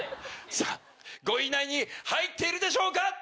さぁ５位以内に入っているでしょうか